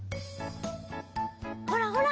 ほらほら！